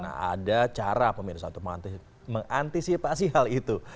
nah ada cara pemirsa untuk mengantisipasi hal itu